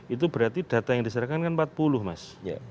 itu berarti data yang diserahkan kan empat puluh mas